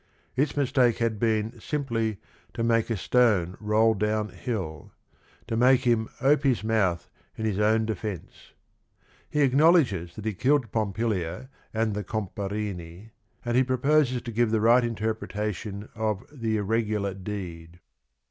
Its mistake had been simply, "to make a stone roll down hill," "to make him ope mouth in his own defence." He— ack nowledg es that he killed Pompilia and the Comp arini, an d he proposes t o give the right interpretation o f th e "irregular deed